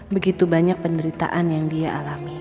begitu banyak penderitaan yang dia alami